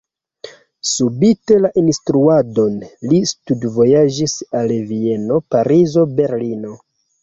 Spite la instruadon li studvojaĝis al Vieno, Parizo, Berlino.